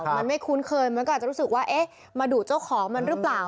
มันไม่คุ้นเคยมันก็อาจจะรู้สึกว่าเอ๊ะมาดุเจ้าของมันหรือเปล่า